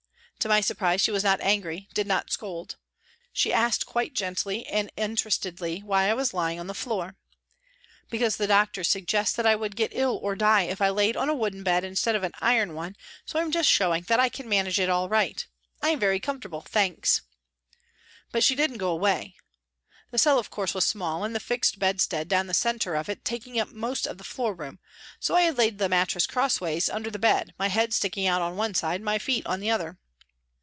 To my surprise she was not angry, did not scold. She asked quite gently and interestedly why I was lying on the floor. " Because the doctors suggest that I would get ill or die if I laid on a wooden bed instead of an iron one, so I am just showing that I can manage it all right ; I am very comfortable, thanks." But she didn't go away. The cell, of course, was small, the fixed bedstead down the centre of it taking up most of the floor room, so I had laid the mattress cross ways under the bed, my head sticking out on one side, my feet on the other.